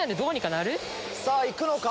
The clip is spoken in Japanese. さぁ行くのか？